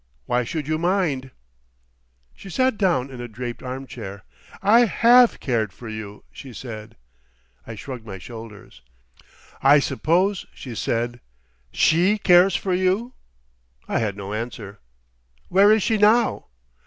Why should you mind?" She sat down in a draped armchair. "I have cared for you," she said. I shrugged my shoulders. "I suppose," she said, "she cares for you?" I had no answer. "Where is she now?"